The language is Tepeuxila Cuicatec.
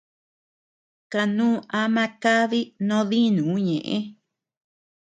Kanuu ama kadi noo dinuu ñeʼë.